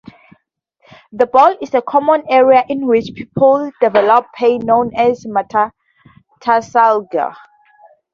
The ball is a common area in which people develop pain, known as metatarsalgia.